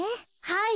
はい。